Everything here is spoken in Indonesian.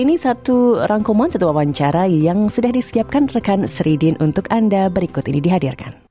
ini satu rangkuman satu wawancara yang sudah disiapkan rekan sri din untuk anda berikut ini dihadirkan